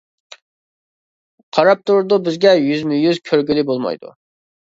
قاراپ تۇرىدۇ بىزگە يۈزمۇ-يۈز كۆرگىلى بولمايدۇ.